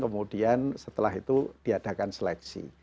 kemudian setelah itu diadakan seleksi